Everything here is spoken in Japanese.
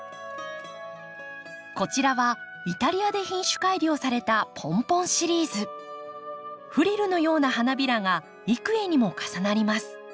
こちらはイタリアで品種改良されたフリルのような花びらが幾重にも重なります。